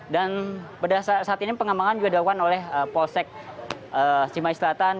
dan pada saat ini pengamangan juga dilakukan oleh polsek cimahi selatan